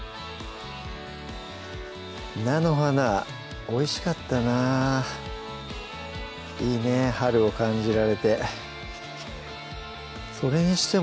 菜の花おいしかったないいね春を感じられてそれにしても